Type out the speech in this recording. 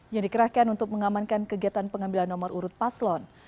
yang dikerahkan untuk mengamankan kegiatan pengambilan nomor urut paslon